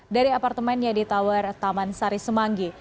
dari apartemennya di tower taman sari semanggi